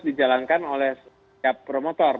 dijalankan oleh setiap promotor